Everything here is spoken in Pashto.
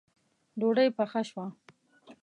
ډوډۍ پخه شوه